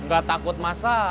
gak takut masa